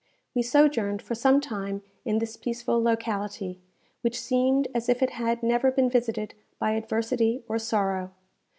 We sojourned for some time in this peaceful locality, which seemed as if it had never been visited by adversity or sorrow.